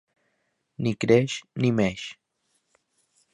Ni creix, ni meix.